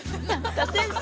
先生